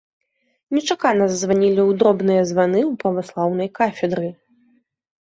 Нечакана зазванілі ў дробныя званы ў праваслаўнай кафедры.